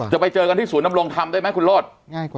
ไปเจอกันที่ศูนย์นำรงธรรมได้ไหมคุณโรธ